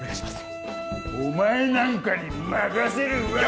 お前なんかに任せるわけが。